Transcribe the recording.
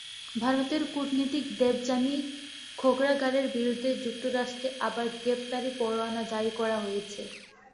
ভারতের কূটনীতিক দেবযানী খোবরাগাড়ের বিরুদ্ধে যুক্তরাষ্ট্রে আবার গ্রেপ্তারি পরোয়ানা জারি করা হয়েছে।